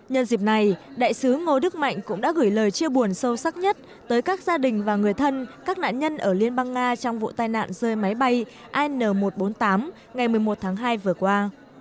nhân dịp này đại sứ ngô đức mạnh cũng đã gửi lời chia buồn sâu sắc nhất tới các gia đình và người thân các nạn nhân ở liên bang nga trong vụ tai nạn rơi máy bay in một trăm bốn mươi tám ngày một mươi một tháng hai vừa qua